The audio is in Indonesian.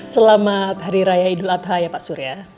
selamat hari raya idul adha ya pak surya